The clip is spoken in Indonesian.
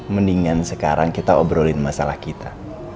mendingan sekarang kita obrolin masalah kita